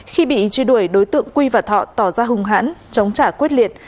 khi bị truy đuổi đối tượng quy và thọ tỏ ra hung hãn chống trả quyết liệt